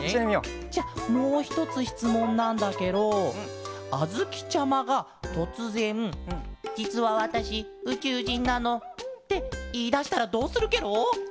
じゃもうひとつしつもんなんだケロあづきちゃまがとつぜん「じつはわたしうちゅうじんなの」っていいだしたらどうするケロ？